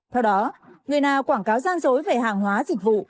theo đó người nào quảng cáo gian dối về hàng hóa dịch vụ